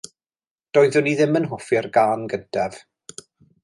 Doeddwn i ddim yn hoffi'r gân gyntaf.